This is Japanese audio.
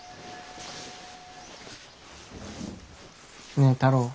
ねえ太郎。